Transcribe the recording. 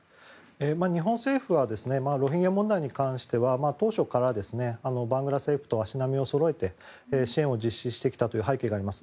日本政府はロヒンギャ問題に関しては当初からバングラ政府と足並みをそろえて支援を実施してきたという背景があります。